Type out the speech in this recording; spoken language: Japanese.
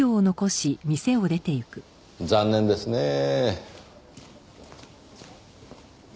残念ですねぇ。